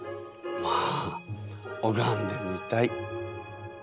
まあおがんでみたい！